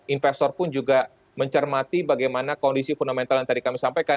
investor pun juga mencermati bagaimana kondisi fundamental yang tadi kami sampaikan